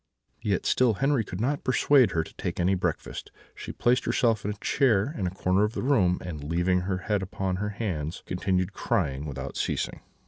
"Yet still Henri could not persuade her to take any breakfast; she placed herself in a chair in a corner of the room, and, leaning her head upon her hands, continued crying without ceasing.